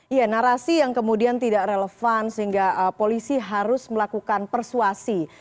iya narasi yang kemudian tidak relevan sehingga polisi harus melakukan persuasi